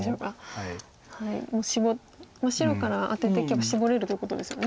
白からアテていけばシボれるということですよね。